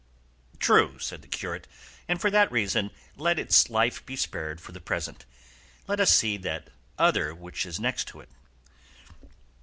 "True," said the curate; "and for that reason let its life be spared for the present. Let us see that other which is next to it."